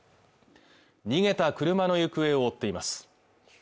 逃げた車の行方を追っています